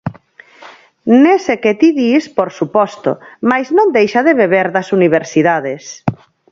Nese que ti dis por suposto, mais non deixa de beber das universidades.